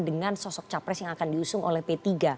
dengan sosok capres yang akan diusung oleh p tiga